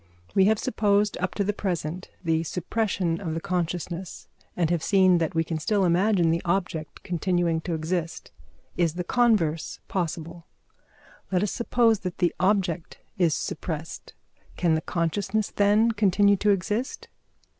We have supposed up to the present the suppression of the consciousness, and have seen that we can still imagine the object continuing to exist. Is the converse possible? Let us suppose that the object is suppressed. Can the consciousness then continue to exist?